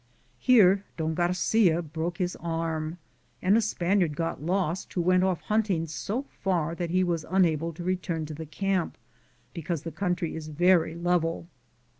Here Don Garcia broke his arm and a Spaniard got lost who went off hunting so far that he was unable to return to the camp, because the country is very level.